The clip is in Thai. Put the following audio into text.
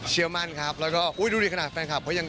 เชื่อมั่นครับแล้วก็ดูดิขนาดแฟนคลับเขายัง